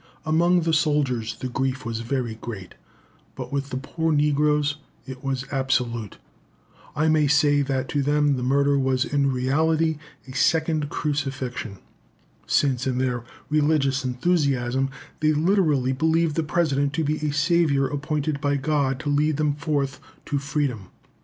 Among the soldiers, the grief was very great; but with the poor negroes, it was absolute I may say that to them the murder was in reality a second crucifixion, since, in their religious enthusiasm, they literally believed the President to be a Saviour appointed by God to lead them forth to freedom.